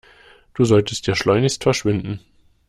Du solltest hier schleunigst verschwinden.